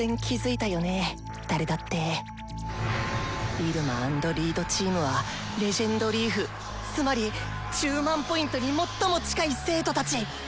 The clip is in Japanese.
イルマ＆リードチームは「レジェンドリーフ」つまり１０００００Ｐに最も近い生徒たち！